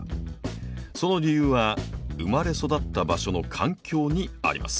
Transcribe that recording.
その理由は生まれ育った場所の環境にあります。